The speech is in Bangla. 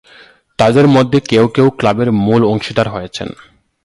তাদের মধ্যে কেউ কেউ ক্লাবের মূল অংশীদার হয়েছেন।